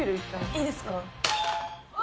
いいですか？